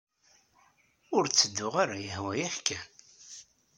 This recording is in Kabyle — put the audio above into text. Ur ttedduɣ ara yehwa-yak-kan!